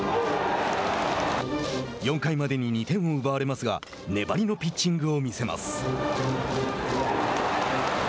４回までに２点を奪われますが粘りをピッチングを見せます。